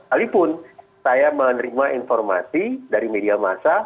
walaupun saya menerima informasi dari media massa